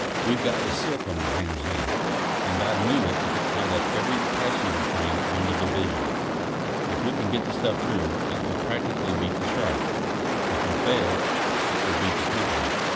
"We've got this silk on our hands now, and I'd move it if it tied up every passenger train on the division. If we can get the stuff through, it will practically beat the strike. If we fail, it will beat the company."